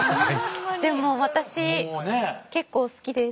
でも私結構好きです。